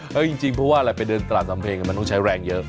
แล้วจริงเพราะว่าอะไรไปเดินตลาดสำเพงมันต้องใช้แรงเยอะ